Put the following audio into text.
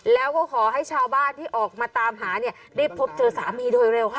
แล้วก็ขอให้ชาวบ้านที่ออกมาตามหาเนี่ยได้พบเจอสามีโดยเร็วค่ะ